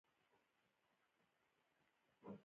د اذربایجان باکو ښار ته د نظامي پریډ لپاره استول شوي وو